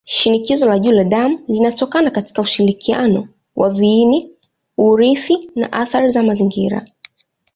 Shinikizo la juu la damu linatokana katika ushirikiano wa viini-urithi na athari za mazingira.